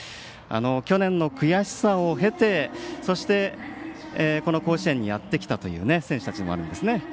去年の悔しさを経てそして、この甲子園にやってきたという選手たちでもあるんですね。